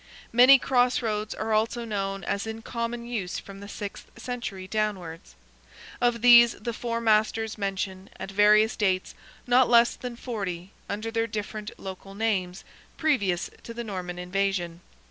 Many cross roads are also known as in common use from the sixth century downwards. Of these, the Four Masters mention, at various dates, not less than forty, under their different local names, previous to the Norman invasion.